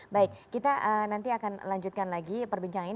baik kita nanti akan lanjutkan lagi perbincang ini